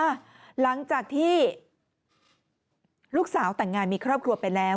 หลังจากที่ลูกสาวแต่งงานมีครอบครัวไปแล้ว